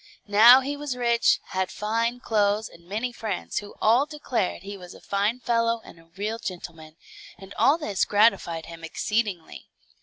Now he was rich, had fine clothes, and many friends, who all declared he was a fine fellow and a real gentleman, and all this gratified him exceedingly.